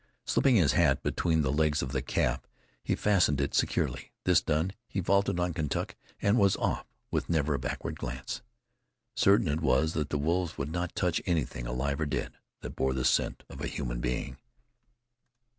Slipping his hat between the legs of the calf, he fastened it securely. This done, he vaulted on Kentuck, and was off with never a backward glance. Certain it was that the wolves would not touch anything, alive or dead, that bore the scent of a human being.